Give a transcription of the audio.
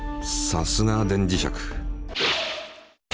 さすが電磁石。